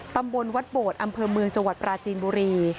ตำบลวัดโบดอำเภอเมืองจังหวัดปราจีนบุรี